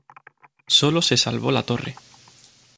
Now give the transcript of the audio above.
Sólo se salvó la torre.